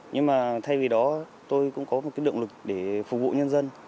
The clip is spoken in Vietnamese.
nhưng mà thay vì đó tôi cũng có một cái động lực để phục vụ nhân dân